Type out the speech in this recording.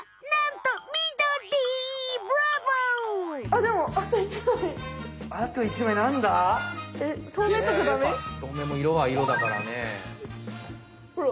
とうめいも色は色だからね。ほら！